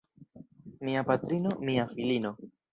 Mia patrino, mia filino.